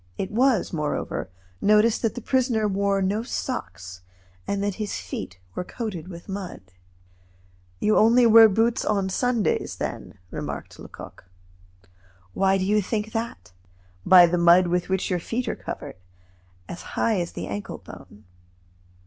It was, moreover, noticed that the prisoner wore no socks, and that his feet were coated with mud. "You only wear boots on Sundays, then?" remarked Lecoq. "Why do you think that?" "By the mud with which your feet are covered, as high as the ankle bone."